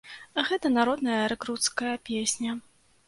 Гэта народная рэкруцкая песня.